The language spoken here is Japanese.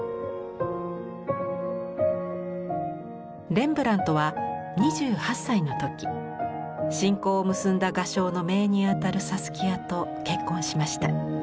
レンブラントは２８歳の時親交を結んだ画商のめいに当たるサスキアと結婚しました。